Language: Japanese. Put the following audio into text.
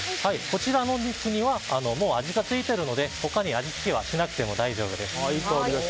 こちらの肉には味がついているので他に味付けはしなくても大丈夫です。